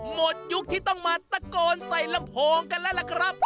หมดยุคที่ต้องมาตะโกนใส่ลำโพงกันแล้วล่ะครับ